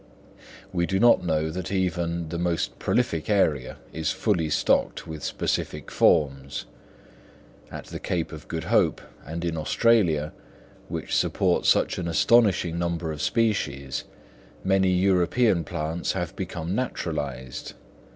We do not know that even the most prolific area is fully stocked with specific forms: at the Cape of Good Hope and in Australia, which support such an astonishing number of species, many European plants have become naturalised.